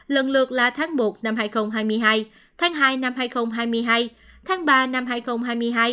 lần lượt là tháng một năm hai nghìn hai mươi hai tháng hai năm hai nghìn hai mươi hai tháng ba năm hai nghìn hai mươi hai